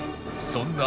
そんな？